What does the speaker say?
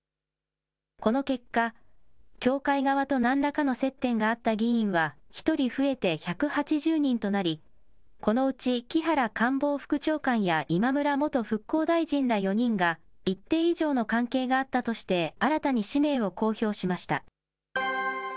この結果、教会側となんらかの接点があった議員は１人増えて１８０人となり、このうち木原官房副長官や今村元復興大臣ら４人が、一定以上の関係があったとして、新たに氏名を公表しました。